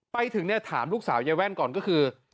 ไปถึงเนี่ยถามลูกสาวยายแว่นก่อนก็คือ